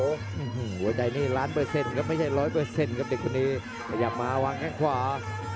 หัวใจนี่ล้านเปอร์เซ็นต์ครับไม่ใช่ร้อยเปอร์เซ็นต์ครับเด็กคนนี้ขยับมาวางแข้งขวา